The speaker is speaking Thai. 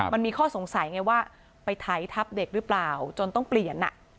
มันมีข้อสงสัยไงว่าไปไถทับเด็กหรือเปล่าจนต้องเปลี่ยน